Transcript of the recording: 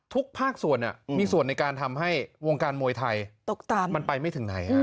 ภาคส่วนมีส่วนในการทำให้วงการมวยไทยมันไปไม่ถึงไหน